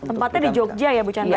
tempatnya di jogja ya bu chandra